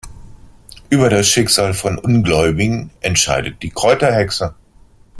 Über das Schicksal von Ungläubigen entscheidet die Kräuterhexe.